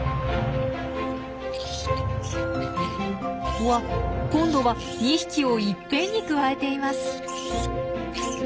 うわ今度は２匹をいっぺんにくわえています！